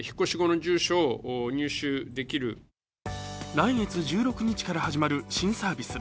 来月１６日から始まる新サービス。